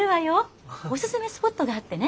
おすすめスポットがあってね。